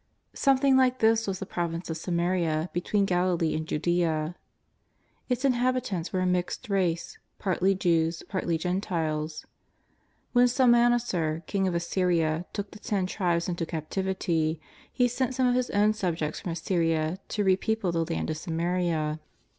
Something like this was the province of Samaria be tween Galilee and Judea. Its inhabitants were a mixed race, partly Jews, partly Gentiles. When Salmanaser, king of Assyria, took the Ten Tribes into captivity, he sent some of his own subjects from Assyria to repeople the land of Samaria.